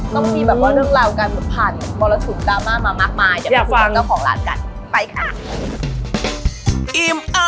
ต้องมีแบบว่าเรื่องราวการผ่านมรสุมดราม่ามามากมายเดี๋ยวไปคุยกับเจ้าของร้านกันไปค่ะ